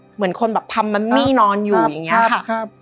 เหมือนคนแบบทำมัมมี่นอนอยู่อย่างนี้ค่ะ